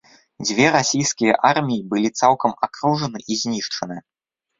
Дзве расійскія арміі былі цалкам акружаны і знішчаны.